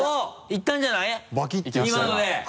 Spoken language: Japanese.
いったんじゃない？